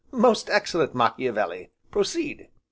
"Most excellent Machiavelli! proceed!"